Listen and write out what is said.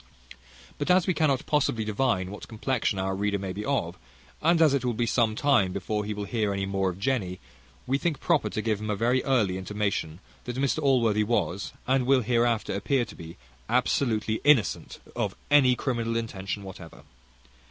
But as we cannot possibly divine what complection our reader may be of, and as it will be some time before he will hear any more of Jenny, we think proper to give him a very early intimation, that Mr Allworthy was, and will hereafter appear to be, absolutely innocent of any criminal intention whatever.